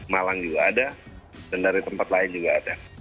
malang juga ada dan dari tempat lain juga ada